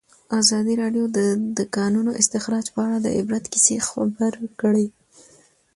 ازادي راډیو د د کانونو استخراج په اړه د عبرت کیسې خبر کړي.